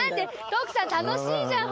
徳さん楽しいじゃん！